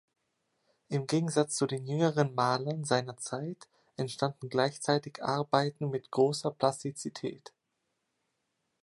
Im Gegensatz zu den jüngeren Malern seiner Zeit entstanden gleichzeitig Arbeiten mit großer Plastizität.